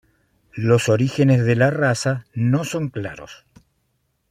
Los orígenes de la raza no son claros.